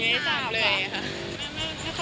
ไม่ถามเลยค่ะ